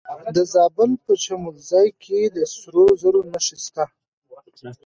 د زابل په شمولزای کې د سرو زرو نښې شته.